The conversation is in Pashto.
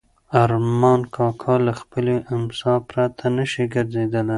ارمان کاکا له خپلې امسا پرته نه شي ګرځېدلی.